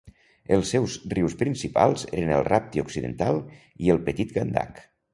Els seus rius principals eren el Rapti Occidental i el Petit Gandak.